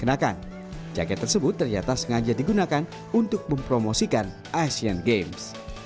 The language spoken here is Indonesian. jaket tersebut ternyata sengaja digunakan untuk mempromosikan asian games